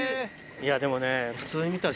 いやでもね。